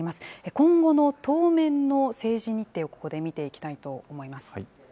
今後の当面の政治日程を、ここで見ていきたいと思います。